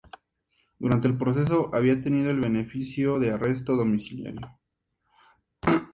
Durante el proceso había tenido el beneficio de arresto domiciliario.